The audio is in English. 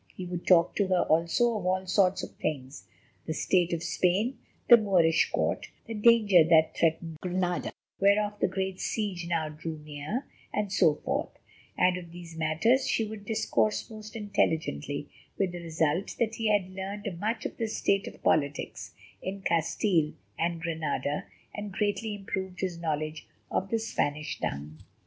He would talk to her also of all sorts of things—the state of Spain, the Moorish court, the danger that threatened Granada, whereof the great siege now drew near, and so forth—and of these matters she would discourse most intelligently, with the result that he learned much of the state of politics in Castile and Granada, and greatly improved his knowledge of the Spanish tongue.